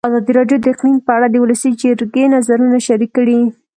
ازادي راډیو د اقلیم په اړه د ولسي جرګې نظرونه شریک کړي.